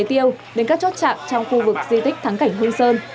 tiêu đến các chốt chạm trong khu vực di tích thắng cảnh hương sơn